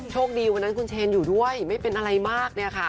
โชคดีวันนั้นคุณเชนอยู่ด้วยไม่เป็นอะไรมาก